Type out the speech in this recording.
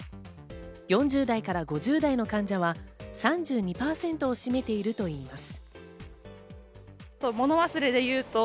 ４０代から５０代の患者は３２％を占めているといいます。